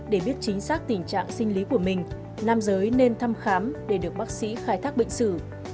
để biết chính xác tình trạng sinh lý của mình nam giới nên thăm khám để được bác sĩ khai thác bệnh sử